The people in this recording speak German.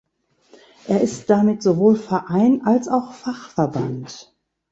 Er ist damit sowohl Verein als auch Fachverband.